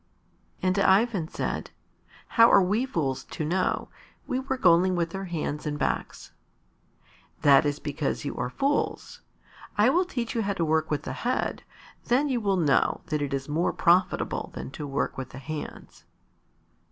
And Ivan said, "How are we fools to know; we work only with our hands and backs." "That is because you are fools. I will teach you how to work with the head, then you will know that it is more profitable than to work with the hands."